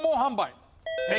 正解！